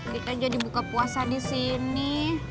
kita jadi buka puasa di sini